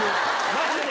マジで？